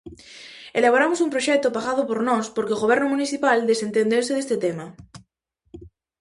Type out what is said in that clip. Elaboramos un proxecto pagado por nós porque o goberno municipal desentendeuse deste tema.